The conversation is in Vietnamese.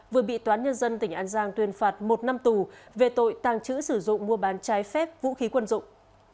vừa bị toán nhân dân tỉnh an giang tuyên phạt một năm tù về tội tàng trữ sử dụng mua bán trái phép vũ khí quân dụng